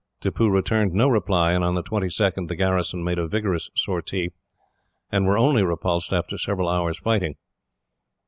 Tippoo returned no reply, and on the 22nd the garrison made a vigorous sortie, and were only repulsed after several hours' fighting.